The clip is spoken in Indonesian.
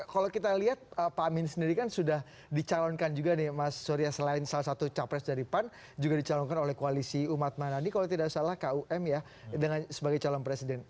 kalau kita lihat pak amin sendiri kan sudah dicalonkan juga nih mas surya selain salah satu capres dari pan juga dicalonkan oleh koalisi umat manadi kalau tidak salah kum ya sebagai calon presiden